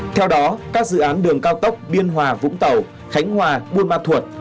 theo đó các dự án đường cao tốc biên hòa vũng tàu khánh hòa buôn ma thuột